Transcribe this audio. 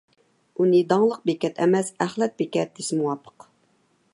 ئۇنى داڭلىق بېكەت ئەمەس، ئەخلەت بېكەت دېسە مۇۋاپىق.